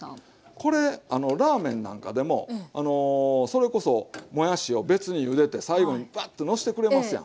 これラーメンなんかでもそれこそもやしを別にゆでて最後にバッとのしてくれますやん。